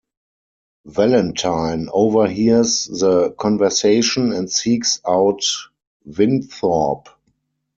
Valentine overhears the conversation and seeks out Winthorpe.